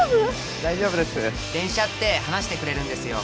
「大丈夫です」「電車って話してくれるんですよ」